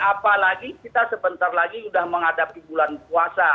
apalagi kita sebentar lagi sudah menghadapi bulan puasa